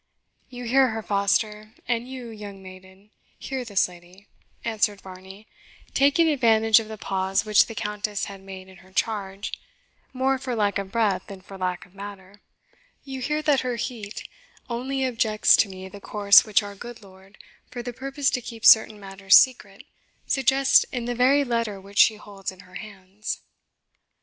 "You hear her, Foster, and you, young maiden, hear this lady," answered Varney, taking advantage of the pause which the Countess had made in her charge, more for lack of breath than for lack of matter "you hear that her heat only objects to me the course which our good lord, for the purpose to keep certain matters secret, suggests in the very letter which she holds in her hands."